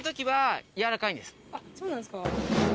そうなんですか。